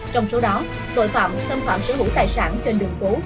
trong số đó tội phạm xâm phạm sở hữu tài sản trên đường phố